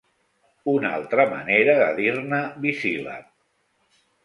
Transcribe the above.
Una altra manera de dir-ne bisíl·lab.